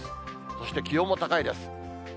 そして気温も高いです。